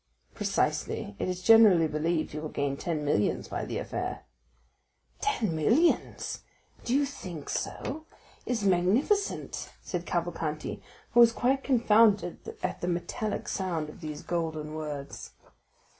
"Precisely; it is generally believed he will gain ten millions by that affair." "Ten millions! Do you think so? It is magnificent!" said Cavalcanti, who was quite confounded at the metallic sound of these golden words.